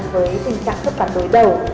với tình trạng khớp cắn đối đầu